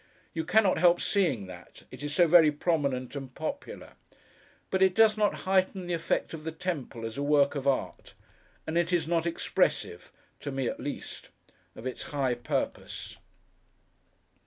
You cannot help seeing that: it is so very prominent and popular. But it does not heighten the effect of the temple, as a work of art; and it is not expressive—to me at least—of its high purpose.